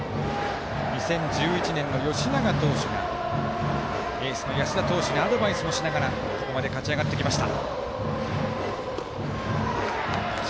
２０１１年のよしなが投手がエースの安田投手にアドバイスしながらここまで勝ち上がってきました。